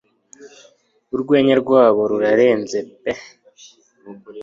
Urwenya rwabo rurarenze pe